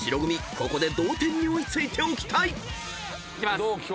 ここで同点に追い付いておきたい］いきます。